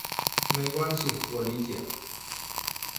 没关系，我理解。